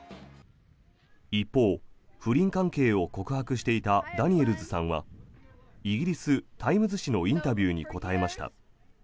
一方、不倫関係を告白していたダニエルズさんはイギリス、タイムズ紙のインタビューに答えました。